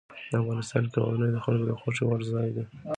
افغانستان کې غزني د خلکو د خوښې وړ ځای دی.